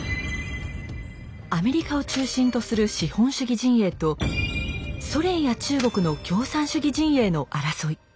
アメリカを中心とする資本主義陣営とソ連や中国の共産主義陣営の争い。